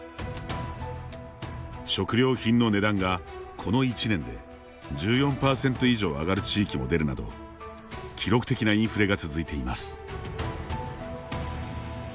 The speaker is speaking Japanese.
食料品の値段が、この１年で１４％以上上がる地域も出るなど記録的なインフレが続いています。